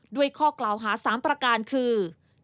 ด้วยข้อกล่าวหา๓ประการคือ